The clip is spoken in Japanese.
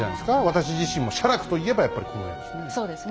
私自身も写楽と言えばやっぱりこの絵ですね。